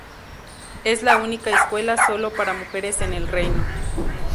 Es la única escuela sólo para mujeres en el reino.